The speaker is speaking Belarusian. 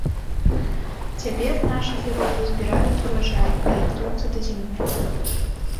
Цяпер нашы героі збіраюць уражай і рыхтуюцца да зімы.